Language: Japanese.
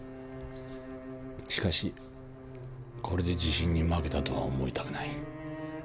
しかしこれで地震に負けたとは思いたくない。